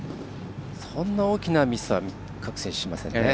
そんなに大きなミスは各選手しませんね。